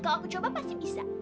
kalau aku coba pasti bisa